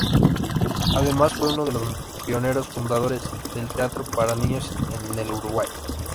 Además, fue uno de los pioneros fundadores del teatro para niños en el Uruguay.